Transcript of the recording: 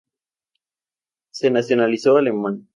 Se nacionalizó alemán.